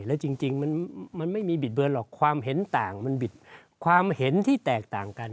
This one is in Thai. แล้วจริงมันไม่มีบิดเบือนหรอกความเห็นต่างมันบิดความเห็นที่แตกต่างกัน